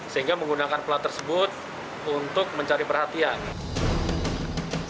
sehingga menggunakan plat tersebut untuk mencari perhatian